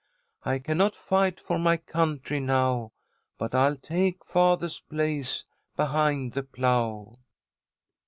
I cannot fight for my country now, But I'll take father's place behind the plough.'"